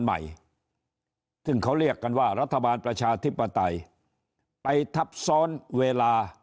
ใหม่ซึ่งเขาเรียกกันว่ารัฐบาลประชาธิปไตยไปทับซ้อนเวลา